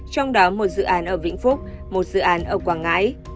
trong đó một dự án ở vĩnh phúc một dự án ở quảng ngãi